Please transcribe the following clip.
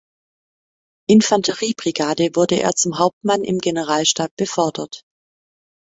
Infanteriebrigade wurde er zum Hauptmann im Generalstab befördert.